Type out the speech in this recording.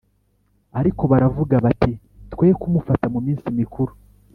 Ariko baravuga bati “Twe kumufata mu minsi mikuru